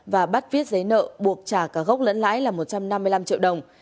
và bắt viết giấy nợ buộc trả cả gốc lẫn lãi là một trăm năm mươi năm triệu đồng